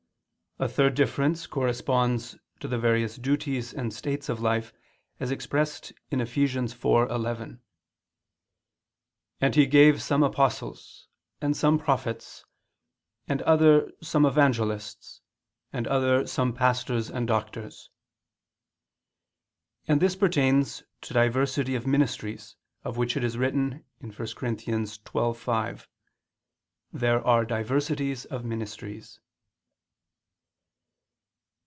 A third difference corresponds to the various duties and states of life, as expressed in Eph. 4:11, "And He gave some apostles; and some prophets; and other some evangelists; and other some pastors and doctors": and this pertains to diversity of ministries, of which it is written (1 Cor. 12:5): "There are diversities of ministries."